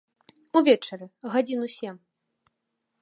Увечары, гадзін у сем.